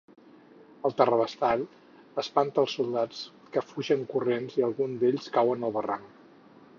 El terrabastall espanta els soldats, que fugen corrents i alguns d'ells cauen al barranc.